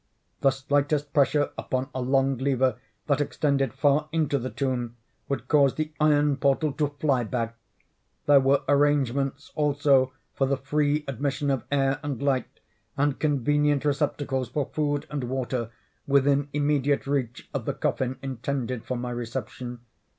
The slightest pressure upon a long lever that extended far into the tomb would cause the iron portal to fly back. There were arrangements also for the free admission of air and light, and convenient receptacles for food and water, within immediate reach of the coffin intended for my reception.